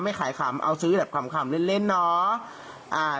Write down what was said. ขายขำเอาซื้อแบบขำเล่นเนาะ